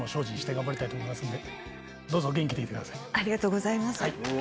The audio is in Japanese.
ありがとうございます。